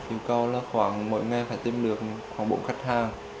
yêu cầu là khoảng mỗi ngày phải tìm được khoảng bốn khách hàng